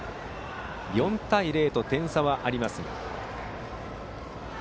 ４対０と点差はありますが。